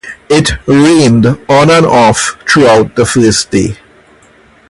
It rained on and off throughout the first day.